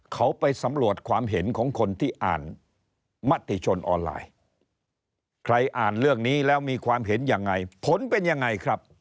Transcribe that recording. เขาไปสำรวจความเห็นของคนที่อ่านมติชนออนไลน์ใครอ่านเรื่องนี้แล้วมีความเห็นยังไงผลเป็นยังไงครับ